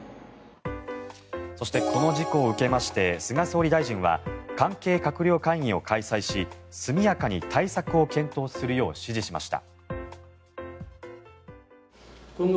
そして、この事故を受けまして菅総理大臣は関係閣僚会議を開催し速やかに対策を検討するよう指示しました。